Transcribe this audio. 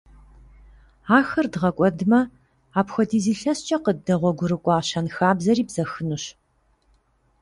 Ахэр дгъэкӀуэдмэ, апхуэдиз илъэскӀэ къыддэгъуэгурыкӀуа щэнхабзэри бзэхынущ.